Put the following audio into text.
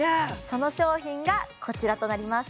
その商品がこちらとなります